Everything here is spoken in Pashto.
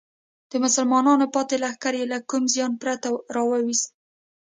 د مسلمانانو پاتې لښکر یې له کوم زیان پرته راوویست.